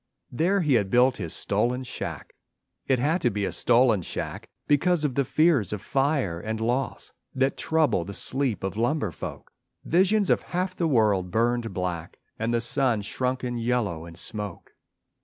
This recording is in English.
There he had built his stolen shack. It had to be a stolen shack Because of the fears of fire and loss That trouble the sleep of lumber folk: Visions of half the world burned black And the sun shrunken yellow in smoke.